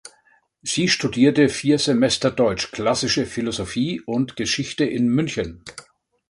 Sie studierte vier Semester Deutsch, klassische Philosophie und Geschichte in München.